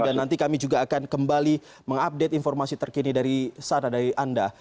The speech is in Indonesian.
dan nanti kami juga akan kembali mengupdate informasi terkini dari sana dari anda